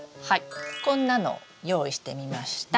こんなのを用意してみました！